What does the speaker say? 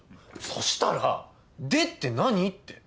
そしたら「で」って何？って。